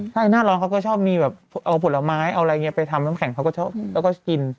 ใช่หน้าร้อนเขาก็ชอบมีแบบเอาผลไม้เอาอะไรอย่างนี้ไปทำน้ำแข็งเขาก็ชอบแล้วก็กิน